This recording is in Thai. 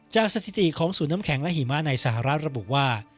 จากสถิติของสูญน้ำแข็งและหิมะในศรรภ์ระบุว่า